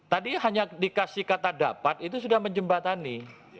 tadi hanya dikasih kata dapat itu sudah menjembatani